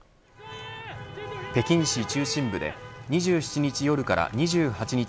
北京市中心部で２７日夜から２８日